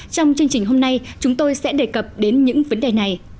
trong chương trình hôm nay chúng tôi sẽ đề cập đến những vấn đề này